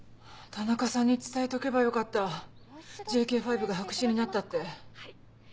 田中さんに伝えとけばよかったＪＫ５が白紙になったって。